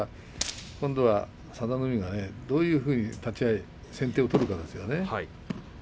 今度は佐田の海がどういうふうにして先手を取るかですね。